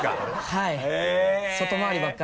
はい。